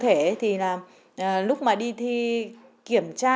thế thì là lúc mà đi thi kiểm tra